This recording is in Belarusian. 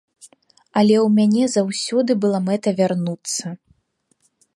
Але ў мяне заўсёды была мэта вярнуцца.